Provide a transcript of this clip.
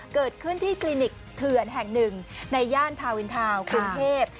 เกิดขึ้นที่คลินิกเถื่อนแห่งหนึ่งในย่านทาวินทาวน์กรุงเทพ